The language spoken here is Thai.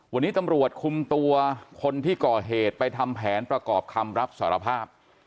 วันนี้ตำรวจคุมตัวคนที่ก่อเหตุไปทำแผนประกอบคำรับสารภาพ